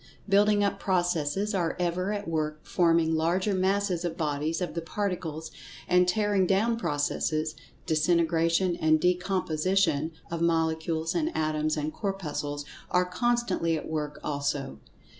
Building up processes are ever at work forming larger masses or bodies of the Particles—and tearing down processes, disintegration and decomposition of Molecules and Atoms, and Corpuscles, are constantly at work also.